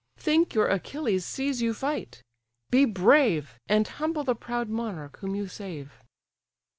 Think your Achilles sees you fight: be brave, And humble the proud monarch whom you save."